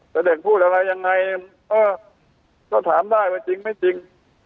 แต่เด็กพูดอะไรยังไงก็ถามได้ว่าจริงไม่จริง